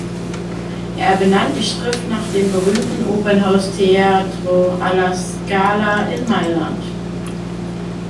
Er benannte die Schrift nach dem berühmten Opernhaus Teatro alla Scala in Mailand.